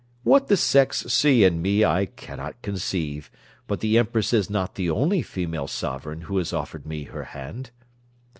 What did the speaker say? What the sex see in me I cannot conceive, but the Empress is not the only female sovereign who has offered me her hand.